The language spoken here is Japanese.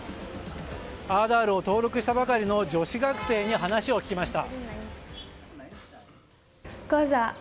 アーダールを登録したばかりの女子学生に話を聞きました。